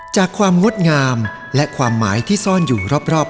จากความงดงามและความหมายที่ซ่อนอยู่รอบพระองค์